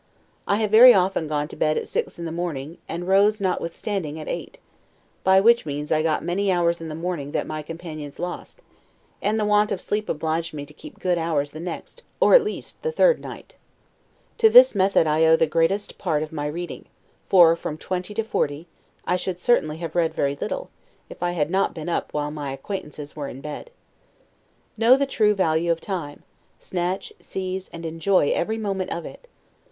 I have very often gone to bed at six in the morning and rose, notwithstanding, at eight; by which means I got many hours in the morning that my companions lost; and the want of sleep obliged me to keep good hours the next, or at least the third night. To this method I owe the greatest part of my reading: for, from twenty to forty, I should certainly have read very little, if I had not been up while my acquaintances were in bed. Know the true value of time; snatch, seize, and enjoy every moment of it.